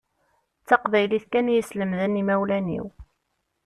D taqbaylit kan i yi-islemden imawlan-iw.